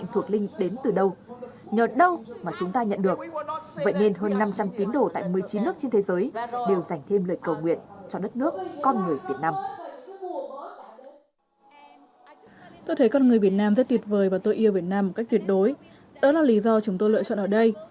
tôi thấy con người việt nam rất tuyệt vời và tôi yêu việt nam một cách tuyệt đối